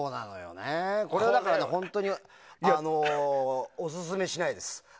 これは本当にオススメしないです。